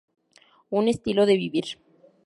Un estilo de vivir.